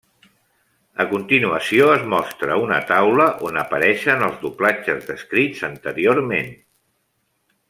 A continuació es mostra una taula on apareixen els doblatges descrits anteriorment.